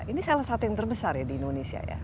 ini salah satu yang terbesar ya di indonesia ya